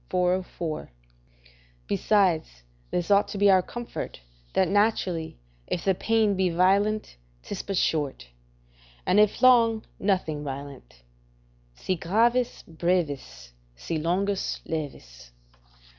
404.] Besides, this ought to be our comfort, that naturally, if the pain be violent, 'tis but short; and if long, nothing violent: "Si gravis, brevis; Si longus, levis."